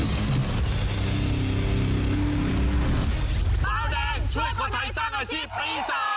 เบาแดงช่วยคนไทยสร้างอาชีพปี๒